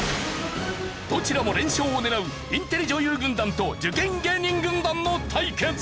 どちらも連勝を狙うインテリ女優軍団と受験芸人軍団の対決。